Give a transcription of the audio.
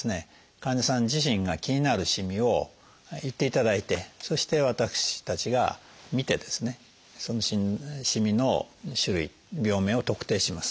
患者さん自身が気になるしみを言っていただいてそして私たちが診てですねそのしみの種類病名を特定します。